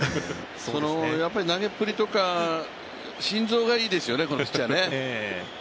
投げっぷりとか、心臓がいいですよね、このピッチャー。